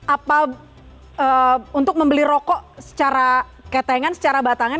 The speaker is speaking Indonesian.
apa untuk membeli rokok secara ketengan secara batangan